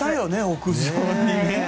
屋上にね。